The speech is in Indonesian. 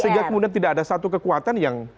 sehingga kemudian tidak ada satu kekuatan yang